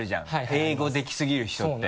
英語できすぎる人って。